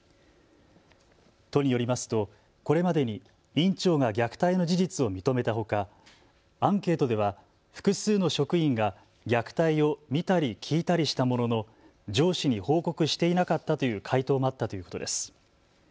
都によりますとこれまでに院長が虐待の事実を認めたほかアンケートでは複数の職員が虐待を見たり聞いたりしたものの上司に報告していなかったという回答もあったということです。